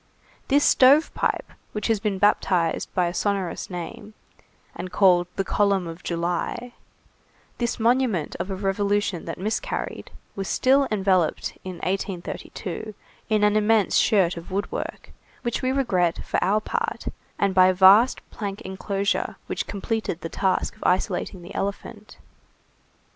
This stove pipe, which has been baptized by a sonorous name, and called the column of July, this monument of a revolution that miscarried, was still enveloped in 1832, in an immense shirt of woodwork, which we regret, for our part, and by a vast plank enclosure, which completed the task of isolating the elephant.